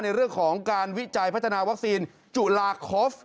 ในเรื่องของการวิจัยพัฒนาวัคซีนจุลาคอฟ